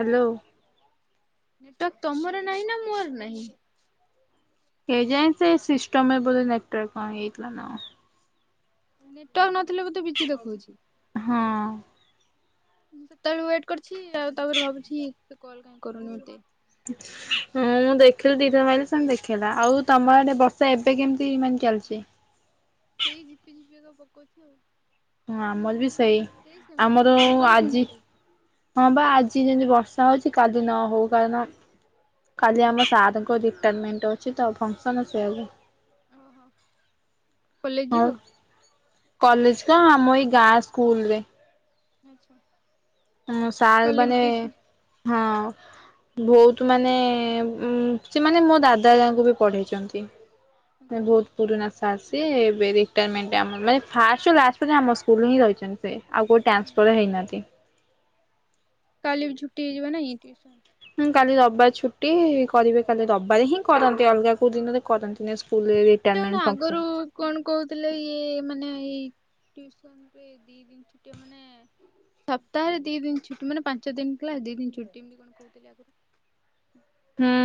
Hello network ତମର ନାହିଁ ନା ମୋର ନାହିଁ। ହେଜାଇ ସେ ସିଷ୍ଟମରେ ବୋଧ ନେଟୱର୍କ କଣ ହେଇଥିଲା ନା ନେଟୱାର୍କ ନଥିଲେ ମୁ ତୁ ବିଜି ଦେଖଉଛି। ହଁ ମୁଁ ସେତେବେଳେ ୱେଟ୍ କରିଛି ଆଉ ତାପରେ ଭାବୁଛି କଲ୍ କାଁ କରୁନାହାନ୍ତି। [unintelligible] ହୁଁ ମୁଁ ଦେଖିଲି ଦିଇଥର ମାଇଲି ସେ ଦେଖେଇଲା ଆଉ ତମର ଆଡେ ବର୍ଷା ଏବେ କେମିତି ମାନେ ଚାଲିଛି। ସେଇ ଝିପି ଝିପି ତ ପକଉଛ ଆଉ ହଁ ଆମର ବି ସେଇ ସେମିତି ଆମର ଚାଲିଛି ସକାଳୁ ସେମିତି ଆଜି ଚାଲିଛି। ହଁ ବା ଆଜି ଯେମିତି ବର୍ଷା ହଉଛି କାଲି ନ ହଉ କାରଣ କାଲି ଆମ ସାର୍ଙ୍କ ରିଟନମେଣ୍ଟ ଅଛି ତ ଫଙ୍କସନ ଅସ ଓହୋ କଲେଜ ହଉ ଯିବ। କଲେଜ କ ଆମ ଏଇ ଗାଁ ସ୍କୁଲ ରେ। ଆଚ୍ଛା ହଁ ସାର୍ କାଲି ବି ମାନେ ଟିଉସନ୍ ହଁ ବହୁତ ମାନେ ସେମାନେ ମୋ ଦାଦା ହେତିକାଙ୍କୁ ବି ପଢେଇଛନ୍ତି। ହଁ ଆଚ୍ଛା ବହୁତ। ଗୁରୁନାସ ଆସିୀ ଏବେ ରିଟାୟାରମେଣ୍ଟ ମାନେ ଫାଷ୍ଟ ଲାଷ୍ଟ ପରେ ଆମ ସ୍କୁଲ ହିଁ ରହିଛନ୍ତି। ସେ ଆଉ କେଉଁ ଟ୍ରାନ୍ସଫର୍ ହୁଁ। ହେଇନାହାନ୍ତି। କାଲି ବି ଛୁଟି ହେଇଯିବ ନା ଟିଉସନ। ହୁଁ କାଲି ରବିବାର ଛୁଟି କରିବେ କାଲି ରବିବାରେ ହିଁ କରନ୍ତି ଅଲଗା କୋଉ ଦିନରେ କରନ୍ତିନି। ସ୍କୁଲରେ ସେଇଟା କଣ ରିଟାର୍ଣ୍ମଣ୍ଟ ଆଗରୁ ଫଙ୍କସନ୍। କଣ କହୁଥିଲେ ଇଏ ମାନେ ଏଇସ ଦି ଦିନ ଛୁଟିଆ ମାନେ ସପ୍ତାହରେ ଦି ଦିନ ଛୁଟି ମାନେ ପାଞ୍ଚ ଦିନଥିଲା ଦି ଦିନ ଛୁଟି ଏମତି କଣ କହୁଥିଲି ଆଗରୁ ହୁଁ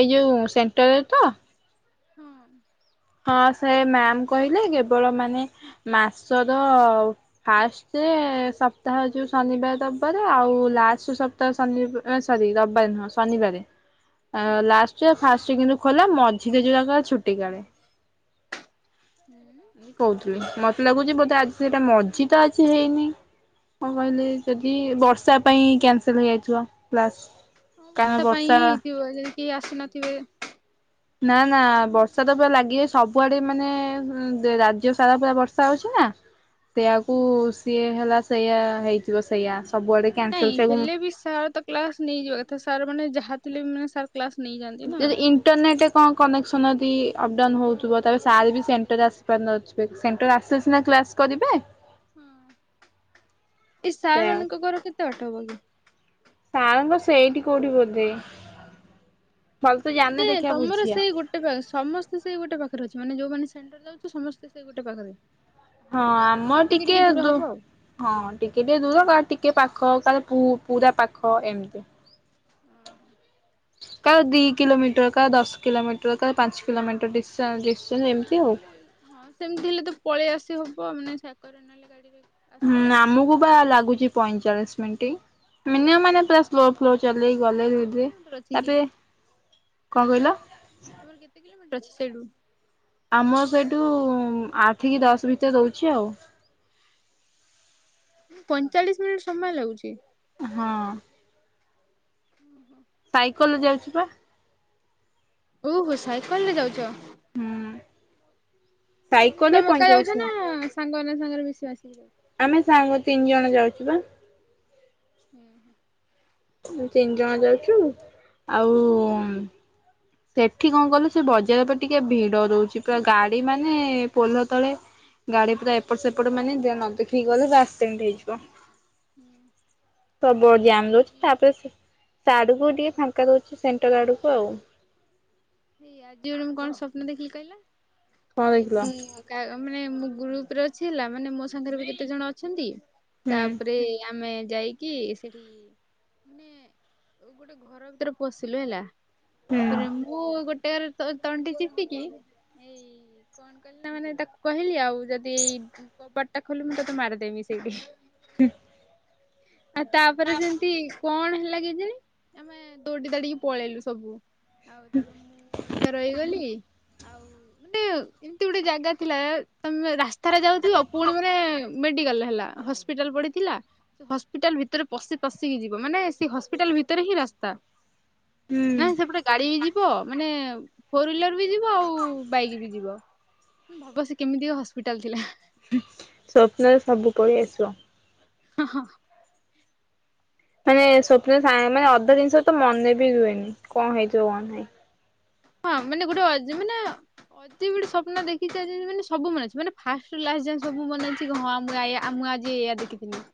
ଏଇ ଯୋଉ ସେଣ୍ଟର ତ। ହୁଁ ହଁ ସେ ମ୍ୟାାମ କହିଲେ କେବଳ ମାନେ ମାସର ଫାଷ୍ଟ ସପ୍ତାହ ଯୋଉ ଶନିବାର ରବିବାର ଦବ ଆଉ ଲାଷ୍ଟ। ତ ଶନିବ ସରି ରବିବାର ନୁହଁ ଶନିବାରେ। ଆ ହଁ। ଲାଷ୍ଟ ଫାଷ୍ଟ କିନ୍ତୁ ଖୋଲା ମଝିରେଜୁ ଯାକ ଛୁଟି କାଳେ ହୁଁ କହୁଥିଲି ମତେ ଲାଗୁଛି ବୋଧେ ଆଜି ସେଇଟା ମଝି ତ ଆଜି ହେଇନି। କଁ କହିଲି ଯଦି ବର୍ଷା ପାଇଁ କ୍ୟାନସଲ ହେଇଯାଇିବ କ୍ଲାସ। ହଁ ବର୍ଷା ପାଇଁ ହ ହେଇଥିବ ଯଦି କେ ଆଶୁନଥିବେ। ନା ନା ବର୍ଷା ତ ପୁରା ଲାଗିେ ସବୁଆଡେ ମାନେ ରାଜ୍ୟ ସାରା ପା ବର୍ଷା ହଉଛି ନା ସେଆକୁ ସିଏ ହେଲା ସେଇୟଆ ହେଇଥିବ ସେଇୟା ସବୁଆଡେ ନାଇଁ କାନସଲ ସେଆ ହେଲେ ସାର୍ ତ କ୍ଲାସ ନେଇଯିବା କଥା ସାର୍ ମାନେ ଯାହା ଥିଲେ ବି ମାନେ ସାର୍ କ୍ଲାସ ନେଇଯାଆନ୍ତି ନା ଇଟରନେଟ ରେ କଣ କେକ୍ସନ କି ଅପ ଡ଼ାଉନ ହଁ ହଉଥିବ ତାପରେ ସେଇଆ ହିଁ ସାର୍ ବି ଅସୁବିଧା ହେଇ ସେଣ୍ଟରରେ ଆସିପାରନଥିବେ ସେଣ୍ଟର ଆସିଲେ ହୁଁ ସିନା କ୍ଲାସ କରିବେ। ହଁ ଏଇ ସାର୍ ସେଇଆ। ମାନଙ୍କ ଘର କେତେ ବାଟ ହବ କି? ସାରଙ୍କ ସେଇଠି କୋଉଠି ବୋଧେ ଭଲ ତୁ ଜାଣେ ଦେଖିବା ବୁଝିଆ ଗଟେ ସମସ୍ତେ ସେଇ ଗୋଟେ ପାଖରେ ଅଛି ମାନେ ଯୋଉମାନେ ସେଣ୍ଟର ଯାଉ ସମସ୍ତେ ସେଇ ଗୋଟେ ପାଖରେ ହଁ ଆମ ଟିକେ ଦୂର ଦୁ ହବ ଆଉ। ହଁ ଟିକେ ଟିକେ ଦୂର କା ଟିକେ ପାଖ କାଳେ ପୁ ପୁରା ପାଖ ଏମିତି। ଉଁ ହୁଁ। କାଳେ ଦି କିଲୋମିଟର କାଳେ ଦଶ କିଲୋମିଟର କାଳେ ପାଞ୍ଚ କିଲୋମିଟର ଡିଷ୍ଟାନସ୍‌ ଡିସ୍ କିନ୍ତୁ ଏମିତି ଆଉ। ହେଲେ ହଁ ସେମିତି ହେଲେ ତ ପଳେଇ ଆସି ହବ ମାନେ ଚାକର ନହେଲେ ଗାଡିରେ। ଆସି ହୁଁ ହବ ଆଉ। ଆମକୁ ବା ଲାଗୁଛି ପଇଁଚାଳିଶ ମିନିଟ୍ ମିନିୟମ ମାନେ ପୁରା ଫ୍ଲୋର ଫ୍ଲୋର ଚଲେଇ ଗଲେ ତମର କେତେ ଦିଦି କିଲୋମିଟର ଅଛି କି ତାପରେ କଣ କହିଲ ତମର କେତେ କିଲୋମିଟର ଅଛି ସେଇଠୁ। ଆମ ସେଇଠୁ ଆଠ କି ଦଶ ଭିତରେ ଦଉଛି ଆଉ। ପଇଁଚାଳିଶ ମିନିଟ୍ ସମୟ ଲାଗୁଛି। ହଁ। ଓ ହୋ। ସାଇକେଲ ଯାଉଛି ପା। ଓହୋ ସାଇକେଲ ରେ ଯାଉଛ। ହୁଁ ସାଇକେଲ ରେ ତମେ ଏକା ପଇଁଚାଳିଶ ଯାଉଛ ନା ମିନିଟ୍ ସାଙ୍ଗମାନେ ସାଙ୍ଗରେ ମିଶି ମାସିକି ଯାଉଚ। ଆମେ ସାଙ୍ଗ ତିନି ଜଣ ଯାଉଛୁ ବା। ହୁଁ ହୁଁ। ତିନି ଜଣ ଯାଉଛୁ ଆଉ ସେଠି କଣ କଲେ ସେ ବଜାର ଉପରେ ଟିକେ ଭିଡ ଦଉଛି ପା ଗାଡି ମାନେ ପୋଲ ତଳେ ଗାଡି ପୁରା ଏପଟ ସେପଟ ମାନେ ଦେ ନ ଦେଖିକି ଗଲେ ଆସସେଣ୍ଡ ହେଇଯିବ। ତୋ ବୋ ହୁଁ। ଏଇ ଗ୍ୟାନ୍‌ ଦୋଉଛି ଆଜି ତାପରେ ସେ ତା ଆଡ଼କୁ ଟିକେ ଆଜି ଫାଙ୍କା ଦଉଛି ସେଣ୍ଟର ଆଡ଼କୁ ଆଉ। ଏଇ ଆଜି ଓଳକୁ କଣ ସ୍ୱପ୍ନ ଦେଖିଲି କଣ କହିଲ ଏ ଦେଖିଲ ମୁଁ କା ମାନେ ମୁ ଗ୍ରୁପ ରେ ଅଛି ହେଲା ମାନେ ମୋ ସାଙ୍ଗରେ ବି କେତେ ଜଣ ଅଛନ୍ତି ହୁଁ ତାପରେ ଆମେ ଯାଇକି ସେଠି ଗୋଟେ ଘର ଭିତରେ ପଶିଲୁ ହେଲା ହୁଁ ତାପରେ ମୁ ଗୋଟେ ରେ ତୋ ତଣ୍ଟି ଚିପିକି ଏଇ କଣ କହିଲ ନା ମାନେ ତାକୁ କହିଲି ଆଉ ଯଦି ଏଇ କବଟା ଖୁଲ ମୁ ତତେ ମାର ଦେବି ସେଇଠି। ଉଁ। ଆଉ ତାପରେ ସେମିତି କଣ ହେଲା କେଜାଣି ଆମେ ଦୌଡି ଦଡିକି ପଳେଇଲୁ ସବୁ। ଆଉ ତାପରେ ମୁଁ ଏକା ରହିଗଲି ଆଉ ମାନେ ଏମିତି ଗୋଟେ ଜାଗା ଥିଲା ତମେ ରାସ୍ତାରେ ଯାଉଥିବ ପୁଣି ମାନେ ମେଡିକାଲରେ ହେଲା ହ ହସ୍ପିଟାଲ ପଢିଥିଲା। ହସ୍ପିଟାଲ ଭିତରେ ପଶି ପଶିକି ଯିବ ମାନେ ସେ ହସ୍ପିଟାଲ ଭିତରେ ହିଁ ରାସ୍ତା। ହୁଁ ନାଇଁ ସେପଟେ ଗାଡି ବି ଯିବ ମାନେ ଫୋର ହିଲର ବି ଯିବ ଆଉ ବାଇକ ବି ଯିବ। ବାପ ସେ କେମିତି ହସ୍ପିଟାଲ ଥିଲା। ସ୍ୱପ୍ନରେ ସବୁ ପଳେଇ ଆସିବ। ହଁ। ମାନେ ସ୍ୱପ୍ନରେ ସାଙ୍ଗ ମାନେ ଅଧା ଜିନିଷ ତ ମନେ ବି ରୁହେନି କଣ ହେଇଥିବ କଣ ନାହିଁ। ହଁ ମାନେ ଗୋଟେ ଅ ମାନେ ଅତି ଗୋଟେ ସ୍ୱପ୍ନ ଦେକି ପାରିବୁନି ମାନେ ସବୁ ମାସ୍ ମାନେ ଫାଷ୍ଟ ରୁ ଲାଷ୍ଟ ଯା ସବୁ ମନ ଅଛି ହଁ ପୁରା ଏୟା ହଁ ମୁ ଆଜି ଏୟା ଦେଖିଥିଲି।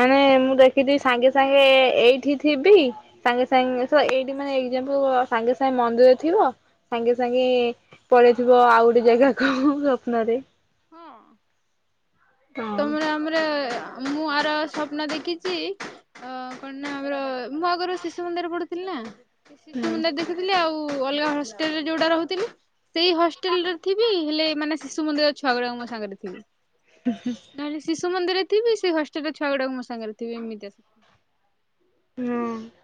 ମାନେ ମୁଁ ଦେଖିଥିବି ସାଙ୍ଗେ ସାଙ୍ଗେ ଏଇଠି ଥିବି ସାଙ୍ଗେ ସାଙ୍ଗେ ସଏଇଠି ମାନେ ଏଗଜ୍ମଫୁଲ୍ ସାଙ୍ଗେ ସାଙ୍ଗେ ମନ୍ଦିରରେ ଥିବ ସାଙ୍ଗେ ସାଙ୍ଗେ ପଳେଇଥିବ ଆଉ ଗୋଟେ ଜାଗାକୁ ସ୍ୱପ୍ନରେ। ହଁ ହଁ ତମର ଆମରେ ମୁଁ ଆର ସ୍ୱପ୍ନ ଦେଖିଚି ଅ କଣନା ଆମର ମୁଁ ଆଗରୁ ଶିଶୁ ମନ୍ଦିରରେ ପଢୁଥିଲିନା ଶିଶୁ ମୁନ୍ଦର ଦେଖୁଥିଲି ଆଉ ଅଲଗା ହଷ୍ଟେଲରେ ଯୋଉଟା ରହୁଥିଲି ସେଇ ହଷ୍ଟେଲରେ ଥିବି ହେଲେ ମାନେ ଶିଶୁ ମନ୍ଦିର ଛୁଆ ଗୁଡ଼ାକ ମୋସାଙ୍ଗରେ ଥିବେ। ହୁଁ ହୁ। ନହେଲେ ଶିଶୁ ମନ୍ଦିରରେ ଥିବି ସେହଷ୍ଟେଲ ଛୁଆ ଗୁଡ଼ାକ ମସାଙ୍ଗରେ ଥିବେ ଏମିତି ହୁଁ।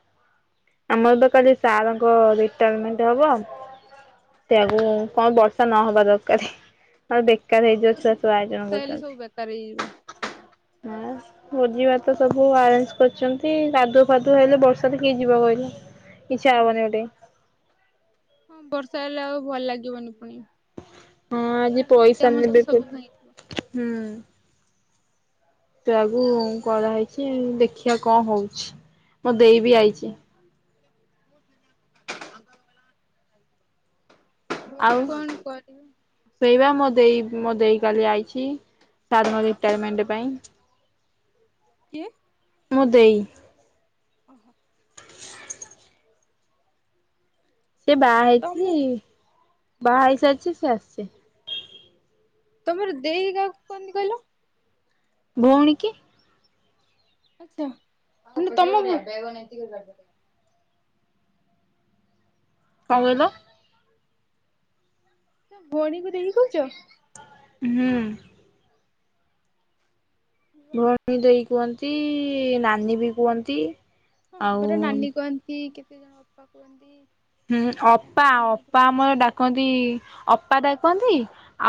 ଆମରବା କାଲି ସାରଙ୍କ ରିଟାୟାରମେଣ୍ଟ ହବ ସେଆକୁ କଣ ବର୍ଷା ନହବା ଦରକାର ନହେଲେ ବେକାର ହେଇଯିବ ଛୁଆ ସବୁ ଆୟୋଜନ ବର୍ଷା କରିଚନ୍ତି। [unintelligible] ଭୋଜି ଭାତ ସବୁ ଆରେଞ୍ଜ କରିଚନ୍ତି କାଦୁଅ ଫାଦୁଅ ହେଲେ ବର୍ଷାରେ କିଏ ଯିବ କହିଲେ। ଇଚ୍ଛା ହବନି ଗୋଟେ। ହଁ ବର୍ଷା ହେଲେ ଆଉ ଭଲ ଲାଗିବନି ପୁଣି। ହଁ ଆଜି ପଇସା ମଜାମସ୍ତି ନେବେ ପ ସବୁ ଭାଙ୍ଗିଯିବ। ହୁଁ। ସେଆକୁ କରାହେଇଛି ଦେଖିଆ କଣ ହଉଛି ମୋ ଦେଇବି ଆଇଛି। [inaudible] କଣ କରିବା ଶୋଇବା ମୋଦେଇ ମୋଦେଇ କାଲି ଆଇଚି ସାରଙ୍କ ରିଟାୟାରମେଣ୍ଟ ପାଇଁ। କିଏ? ମୋ ଦେଇ। ଓହୋ। ସେବାହା ତମ ହେଇଚି ବାହାହେଇ ସାରିଚି ସେଆସିଚି। ତମର ଦେଇ କାହାକୁ କହନ୍ତି କହିଲ? ଭଉଣୀକି। ଆଛା ମାନେ ତଭ କଣ କହିଲ? ତମେ ଭଉଣୀକୁ ଦେଇ କହୁଚ? ହୁଁ। ଭଉଣୀ ଦେଇ କୁହନ୍ତି ନାନୀବି କୁହନ୍ତି। ହଁ ଆଉ ଆମର ନାନୀ କୁହନ୍ତି କେତେ ଜଣ ଅପା କୁହନ୍ତି। ହୁଁ ଅପା ତାପରେ ଭଉଣୀ ଅପା କୁହନ୍ତି ଆମର ଦିଦି ଡାକ ପି ଅପା ଡ଼ାକନ୍ତି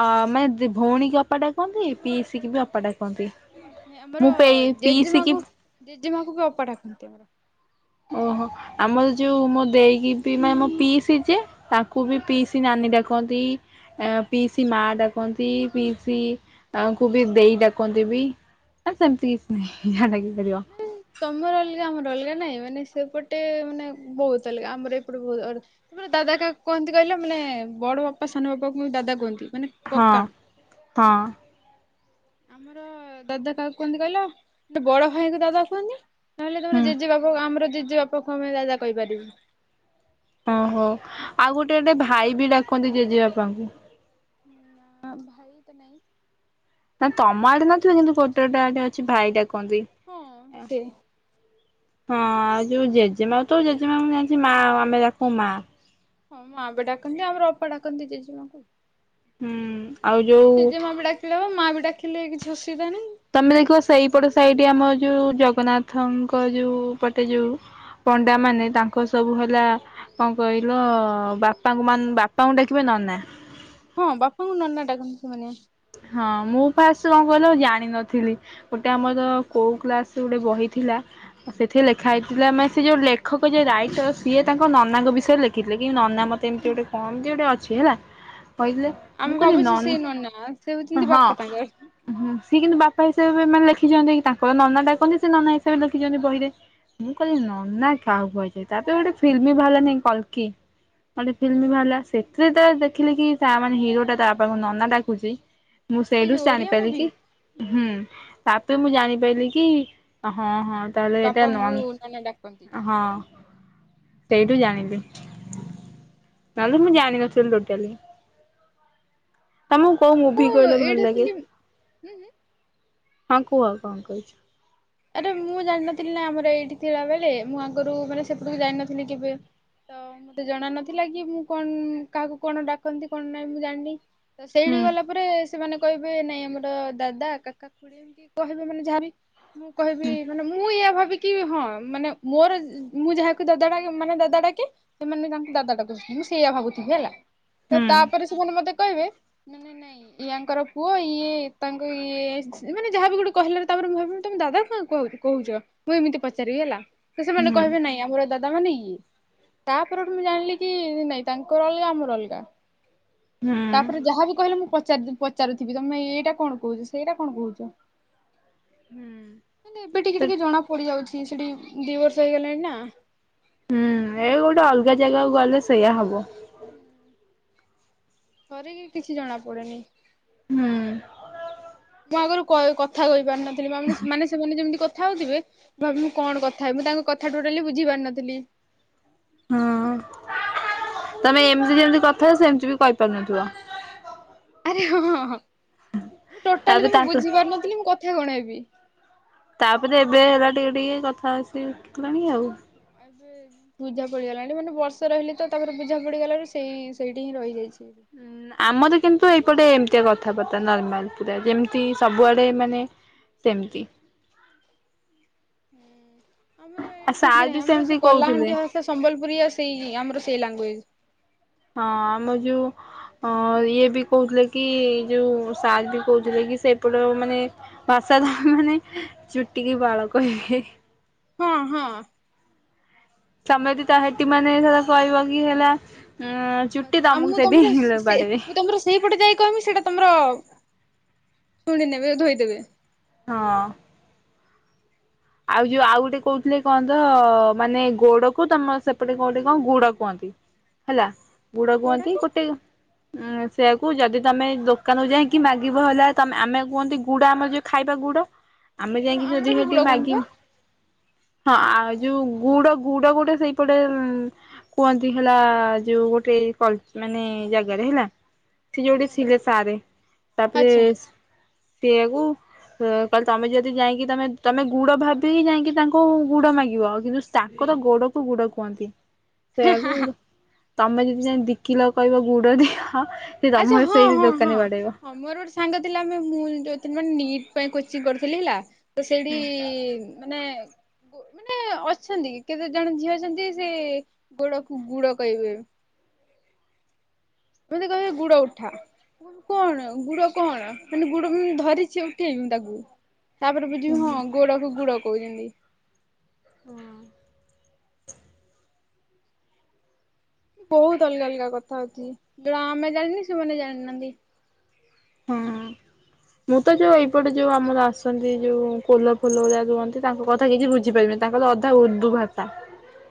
ଆ ମାନେ ଭଉଣୀକି ଅପା ଡାକନ୍ତି ପିଇସିକିବି ଅପା ଡାକନ୍ତି ମୁଁପା ଏଇ ପିଇସିକି ଜେଜେମାକୁବି ଅପା ଡାକନ୍ତି ଆମର। ଓହୋ ଆମର ଯୋଉ ମୋଦେଇକି ମାନେ ମୋ ପିଇସିଯେ ତା କୁବି ହୁଁ। ପିଇସି ନାନୀ ଡାକନ୍ତି। ଅଁ ପିଇସି ମା ଡାକନ୍ତି ପିଇସି ଆଙ୍କୁବି ଦେଇ ଡାକନ୍ତିବି। ଆ ସେମିତି କିଛି ନାହିଁ ଜାହା ଡାକିପାରିବ। [unintelligible] ତମର ଅଲଗା ଆମର ଅଲଗା ନାଇଁ ମାନେ ସେପଟେ ମାନେ ବହୁତ୍ ଅଲଗା ଆମର ଏପଟେ ବହୁ ତମର ଦାଦା କାହାକୁ କୁହନ୍ତି କହିଲ ମାନେ ବଡ଼ ବାପା ସାନ ବାପାଙ୍କୁ ଦାଦା କୁହନ୍ତି ମାନେ ହଁ କକା। ହଁ। ଆମର ଦାଦା କାହାକୁ କୁହନ୍ତି କହିଲ ଗୋଟେ ବଡ ଭାଇଙ୍କୁ ଦାଦା କୁହନ୍ତି। ନହେଲେ ତମର ହୁଁ। ଜେଜେ ବାପାକୁ ଆମର ଜେଜେ ବାପାକୁ ଆମେ ଦାଦା କହିପାରିବୁ। ଓହୋ ଆଉ ଗୋଟେ ଗୋଟେ ଭାଇ ବି ଡାକନ୍ତି ଜେଜେ ବାପା। ହଁ ଭାଇ ତ ନାଇଁ। ନା ତମ ଆଡେ ନଥିବ କିନ୍ତୁ ଗୋଟେ ଗୋଟେ ଆଡେ ଅଛି ଭାଇ ଡାକନ୍ତି। ହଁ ସେ ହଁ ଆଉ ଯୋଉ ଜେଜେମା ତ ଜେଜେମା ମୁଁ ଜାଣିଛି ମା ଆମେ ଡାକୁ ମା। ମା ବି ଡାକନ୍ତି ଆମର ଅପା ଡାକନ୍ତି ଜେଜେ ହୁଁ ଆଉ ସେ ଯୋଉ ଜେଜେମା ବି ଡାକ। ପିଲା ମାଆ ବି ଡାକିଲେ କିଛି ଅସୁବିଧା ନାହିଁ। ତମେ ଦେଖିବ ସେଇପଟ ସେଇଠି ଆମର ଯୋଉ ଜଗନ୍ନାଥଙ୍କ ଯୋଉ ପଟେ ଯୋଉ। ପଣ୍ଡାମାନେ ତାଙ୍କର ସବୁ ହେଲା। କଣ କହିଲ ବାପାଙ୍କୁ ମାନ୍ ବାପାଙ୍କୁ ଡାକିବେ ନନା। ହଁ ବାପାଙ୍କୁ ନନା ଡାକନ୍ତି ସେମାନେ। ହଁ ମୁଁ ପାସ କଣ କହିଲ ଜାଣିନଥିଲି। ଗୋଟେ ଆମର ଯୋ କୋଉ କ୍ଲାସରୁ ଗୋଟେ ବହି ଥିଲା। ସେଥିରେ ଲେଖା ହେଇଥିଲା ମାନେ ସେ ଯୋଉ ଲେଖକ ଯେ ରାଇଟର ସିଏ ତାଙ୍କ ନନାଙ୍କ ବିଷୟରେ ଲେଖିଥିଲେ କିନ୍ତୁ ନନା ମତେ ଏମତି ଯୋଉଠି କମ ଦିଅନ୍ତି ଅଛି ହେଲା। କହିଥିଲେ ମୁଁ ଆମେ କହିଲି ଭାବୁଛୁ ନନ୍ ସେଇ ନନା। ସେ ହଉଛନ୍ତି ହଁ ବାପା ତାଙ୍କର। ସିଏ କିନ୍ତୁ ବାପା ହିସାବରେ ମାନେ ଲେଖିଛନ୍ତି କି ତାଙ୍କ। କ ନନା ହଁ ଡ଼ାକନ୍ତି ସେ ନନା ହିସାବରେ ଲେଖିଛନ୍ତି ବହିରେ। ମୁଁ କହିଲି ନନା କାହାକୁ କହିଲେ ତାପରେ ଗୋଟେ ଫିଲ୍ମ ବାହାରିଲାନି କ୍ଲକି। ଗୋଟେ ଫିଲ୍ମ ବାହାରିଲା ସେଥିରେ ତ ଦେଖିଲେ କି ତା ମାନେ ହିରୋଟା ତ ବାପା କୁ ନନା ଡାକୁଚି। ମୁଁ ଏଇ ସେଇଠୁ ଯୋଉ ଓଡିଆ ଜାଣିପାରିଲି ମୁଭି କି ହୁଁ ତାପରେ ମୁଁ ଜାଣିପାଇଲି କି। ହଁ ହଁ ତା ହେଲେ ଏଇଟା ବାପାଙ୍କୁ ନନା ଡାକନ୍ତି। ନନ ହଁ। ସେଇଠୁ ଜାଣିପାଇଲି କି। ନହେଲେ ମୁଁ ଜାଣିନଥିଲି ଟୋଟାଲି ତମକୁ କଉ ମୁଁ। ପି କହିଲେ ଭଲ ଏଇଟା ଲାଗେ ଥିଲି ହୁଁ ହୁଁ ହଁ କୁହ କଣ କହୁଛ। ଆରେ ମୁଁ ଜାଣିନଥିଲି ନା ଆମର ଏଇଠି ଥିଲା ବେଳେ ମୁଁ ଆଗରୁ ମାନେ ସେପଟକୁ ଜାଇନଥିଲି କେବେ। ତ ମତେ ଜଣା ନଥିଲା କି ମୁଁ କଣ କାହାକୁ କଣ ଡାକନ୍ତି କଣ ନାହିଁ ମୁଁ ଜାଣିନି। ସେଇଠି ହୁଁ ଗଲା ପରେ ସେମାନେ କହିବେ ନାଇଁ ଆମର ଦାଦା କାକାକୁୁଡି ଏମିତି କହିବେ ମାନେ ଯାହା ବି। ମୁଁ କହିବି ମାନେ ମୁଁ ଇଆ ଭାବିକି। କି ହଁ ମାନେ ମୋର ମୁଁ ଯାହାକୁ ଦାଦା ଡାକେ ମାନେ ଦାଦା ଡାକେ। ସେମାନେ ତାଙ୍କୁ ଦାଦା ଡାକୁଛନ୍ତି ମୁଁ ସେଇଆ ଭାବୁଥିବି ହେଲା ତ ହୁଁ ତାପରେ ସେମାନେ ମତେ କହିବେ। ଇଏ ନାଇଁ ୟାଙ୍କର ପୁଅ ଇଏ ତାଙ୍କୁ ଇଏ ମାନେ ଯାହାବେ ଗୋଟେ କହିଲ ତାପରେ ମୁଁ ଭାବେ। ତମେ ଦାଦା କାହାକୁ କହୁଛ ମୁଁ ଏମିତି ପଚାରିବି ହେଲା ତ ସେମାନେ ହୁଁ କହିବେ ନାଇଁ ଆମର ଦାଦା ତାମାନେ ଇ ତା ପରଠୁ ମୁଁ ଜାଣିଲି କି ନାଇଁ ତାଙ୍କର ଅଲଗା ଆମର ଅଲଗା। ହୁଁ। ତାପରେ ଯାହାବି କହିଲେ ମୁଁ ପଚାରି ପଚାରୁଥିବି ତମେ ଏଇଟା କଣ କହୁଛ ସେଇଟା କଣ କହଚ। ହୁଁ। ମାନେ ଏବେ ଟିକେ ଟିକେ ଜଣା ପଡ଼ି ଯାଉଛି ସେଠି ଦି ବର୍ଷ ହେଇଗଲାଣି ନା। ହୁଁ ଏ ଗୋଟେ ଅଲଗା ଜାଗାକୁ ଗଲେ ସେଇଆ ହବ। ହୁଁ। ଥରେକେ କିଛି ଜଣା ପଡ଼ୁନି। ହୁଁ। ମୁଁ ଆଗରୁ କ କଥା କହି ପାରିନଥିଲି ମାନେ ସେମାନେ ଯେମିତି କଥା ହଉଥିବେ।। ଭାବିବି ମୁଁ କଣ କଥା ହେବି ମୁଁ ତାଙ୍କ କଥା ଟୋଟାଲି ବୁଝି ପାରିନଥିଲି। ହଁ ତୋମେ ଏମିତି ଯେମିତି କଥା ସେମତି ବି କହିପାରୁନଥିବ। ଆରେ ହଁ, ହଁ, ହଁ ମୁଁ ଟୋଟାଲି ତାପରେ ତୋମକୁ ତାଙ୍କ ବୁଝିପାରୁ ନଥିଲି ମୁଁ କଥା କଣ ହେବି। ତାପରେ ଏବେ ହେରା ଟିକେ ଟିକେ କଥା ଶି- ଶିଖିଲାଣି ଆଉ। ଏବେ ବୁଝା ପଡ଼ିଗଲାଣି, ମାନେ ବର୍ଷ ରହିଲି ତ ତାପରେ ବୁଝା ପଡ଼ିଗଲାରୁ ସେଇ ସେଇଠି ହିଁ ରହିଯାଇଛି ଏବେ। ଉଁ ଆମର କିନ୍ତୁ ଏଇପଟେ ଏମିତିଆ କଥାବାର୍ତ୍ତା ନର୍ମାଲ, ପୁରା ଯେମିତି ସବୁଆଡ଼େ ମାନେ ସେମିତି। ହୁଁ, ଆମର ଆଉ ଏଇଠି ସାର୍ ସେମିତି ବି ନାହିଁ, ଆମର ସେ କହୁଥିଲେ। କଲାହାଣ୍ଡିଆ ଭାଷ ସେ ସମ୍ବଲପୁରୀଆ ସେଇ ଆମର ସେଇ ଲାଙ୍ଗୁଏଜ୍। ହଁ ଆମେ ଯୋଉ ହଁ ଇଏ ବି କହୁଥିଲେ କି, ଯୋଉ ସାର୍ ବି କହୁଥିଲେ କି ସେପଟ ମାନେ ଭାଷା ତ ମାନେ ଚୁଟିକି ବାଳ କହିବେ। ହଁ, ହଁ। ତୋମେ ଯଦି ତା ହେଟି ମାନେ ସେଇଟା କହିବ କି ହେଲା ଅଁ, ହଁ ଚୁଟି ଆ ତୋମକୁ ମୁଁ ସେଠି ତମର ହିଁ ସେ ବାଡେଇବେ। ମୁଁ ତମର ସେଇପଟେ ଯାଇ କହିମି ସେଇଟା ତୋମର ଶୁଣି ନେବେ ଧୋଇଦେବେ। ହଁ। ଆଉ ଯୋଉ ଆଉ ଗୋଟେ କହୁଥିଲେ କଣ ତ ମାନେ ଗୋଡ କୁ ତୋମର ସେପଟେ କଣ ଗୋଟେ କଣ ଗୁଡ଼ କୁହନ୍ତି। ହେଲା ଗୁଡ଼ କୋଉଟା କୁହନ୍ତି, କି ଗୋଟେ ଉଁ, ସେଆକୁ ଯଦି ତୋମେ ଏଇ ଦୋକାନରୁ ଯାଇକି ମାଗିବ ହେଲା ତୋମେ ଆମେ କୁହନ୍ତି ଗୁଡ଼ ଆମର ଯୋଉ ଖାଇବା ଗୁଡ଼ ଆମେ ହଁ ଯାଇକି ଆମର ଯଦି ବି ସେଠି ଗୁଡ ମାଗି [inaudible] ହଁ ଆ, ଯୋଉ ଗୁଡ଼ ଗୁଡ଼ ଗୋଟେ ସେଇ ପଟେ ଉଁ, କୁହନ୍ତି ହେଲା ଯୋଉ ଗୋଟେ କଲ -ମାନେ ଜାଗାରେ ହେଲା। ସେ ଯୋଉଠି ଆଚ୍ଛା। ଥିଲେ ସାରେ ତାପରେ ଆଚ୍ଛା ସେଆକୁ ଅ, କହିଲି ତୋମେ ଯଦି ଯାଇକି ତୋମେ ତୋମେ ଗୁଡ଼ ଭାବିକି ଯାଇକି ତାଙ୍କୁ ଗୁଡ଼ ମାଗିବ କିନ୍ତୁ ତାଙ୍କର ଗୋଡ଼କୁ ଗୁଡ଼ କୁହନ୍ତି। ସେଇଆକୁ ତୋମେ ଯଦି ଯାଇ ଦି କିଲୋ କହିବ ଗୁଡ଼ ଦିହ। ସେ ଆଚ୍ଛା ତୋମର ହଁ ସେଇ ହଁ ହଁ ଦୋକାନୀ ବାଡ଼େଇବ। ହଁ ମୋର ଗୋଟେ ସାଙ୍ଗ ଥିଲା ଆମେ ମୁଁ ଯୋଉଦିନ ନିଟ୍ ପାଇଁ କୋଚିଂ କରୁଥିଲି ହେଲା। ତ ସେଇଠି ମାନେ କୁ-ମାନେ ଅଛନ୍ତି କେତେ ଜଣ ଝିଅ ଅଛନ୍ତି ସେ ଗୋଡ଼କୁ ଗୁଡ଼ କହିବେ। ମୋତେ କହିବେ ଗୁଡ଼ ଉଠା। ମୁଁ କଣ ଗୁଡ଼ କଣ ମାନେ ଗୁଡ଼ ମୁଁ ଧରିଛି ଉଠେଇମି ତାକୁ। ତାପରେ ବୁଝିବି ହଁ ଗୋଡ଼କୁ ଗୁଡ଼ କହୁଚନ୍ତି। ହଁ। ବହୁତ ଅଲଗା ଅଲଗା କଥା ଅଛି, ଯୋଉଟା ଆମେ ଜାଣିନି ସେମାନେ ଜାଣିନାହାନ୍ତି। ହଁ। [inaudible] ମୁଁ ତ ଯୋଉ ଏଇପଟେ ଯୋଉ ଆମର ଆସନ୍ତି ଯୋଉ କୋଲ ଫୋଲ ଭଳିଆ ରୁହନ୍ତି ତାଙ୍କ କଥା କିଛି ବୁଝିପାରିମିନି। ତାଙ୍କର ଅଧା ଉର୍ଦ୍ଧୁ ଭାଷା।